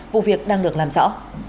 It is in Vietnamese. vụ việc đang được làm rõ